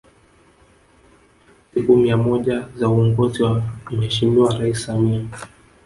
Siku mia moja za uongozi wa Mheshimiwa Rais Samia